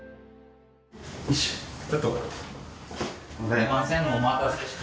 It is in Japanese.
すみませんお待たせして。